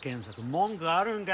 文句あるんか？